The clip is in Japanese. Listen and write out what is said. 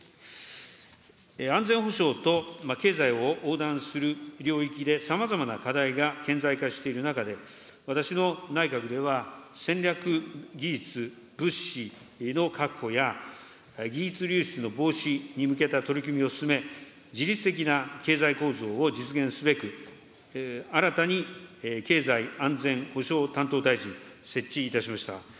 安全保障と経済を横断する領域で、さまざまな課題が顕在化している中で、私の内閣では、戦略技術、物資の確保や、技術流出の防止に向けた取り組みを進め、自律的な経済構造を実現すべく、新たに経済安全保障担当大臣、設置いたしました。